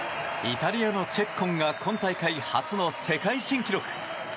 イタリアのチェッコンが今大会初の世界新記録。